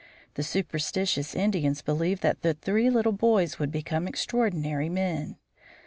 The superstitious Indians believed that the three little boys would become extraordinary men.